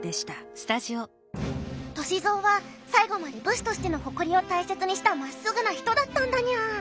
歳三は最後まで武士としての誇りを大切にしたまっすぐな人だったんだにゃ。